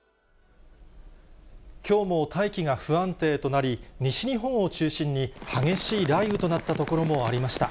きょうも大気が不安定となり、西日本を中心に激しい雷雨となった所もありました。